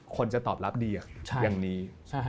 คนจะตอบรับดีอย่างนี้